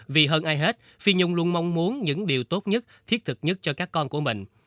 vì hơn ai hết phi nhung luôn mong muốn những điều tốt nhất thiết thực nhất cho các con của mình